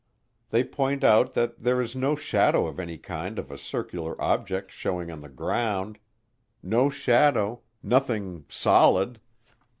They point out that there is no shadow of any kind of a circular object showing on the ground no shadow, nothing "solid."